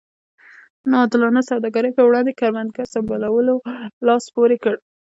نا عادلانه سوداګرۍ پر وړاندې کروندګرو سمبالولو لاس پورې کړ.